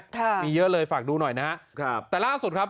ค่ะมีเยอะเลยฝากดูหน่อยนะครับแต่ล่าสุดครับ